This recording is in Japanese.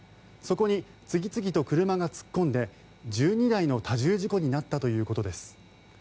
そこに、次々と車が突っ込んで１２台の多重事故になったということです。